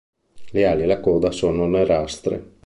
Le ali e la coda sono nerastre.